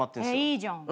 いいじゃん。